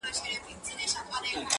زما په مینه کي دا ټول جهان سوځیږي!